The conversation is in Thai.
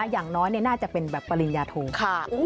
อย่างน้อยน่าจะเป็นแบบปริญญาโทง